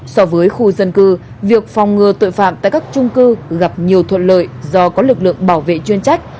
so với khu dân cư việc phòng ngừa tội phạm tại các trung cư gặp nhiều thuận lợi do có lực lượng bảo vệ chuyên trách